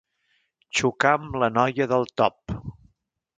Xocar amb la noia del top.